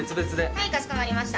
はいかしこまりました。